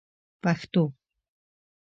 پښتو